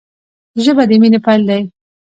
ژبه د مینې پیل دی